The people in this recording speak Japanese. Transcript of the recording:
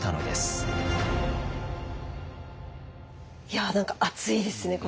いや何か熱いですね